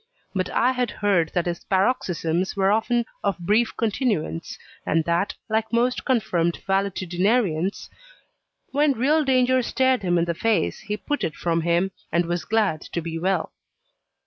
But I had heard that his paroxysms were often of brief continuance, and that, like most confirmed valetudinarians, when real danger stared him in the face he put it from him, and was glad to be well.